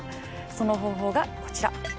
その方法がこちら。